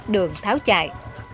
đường tháo chạy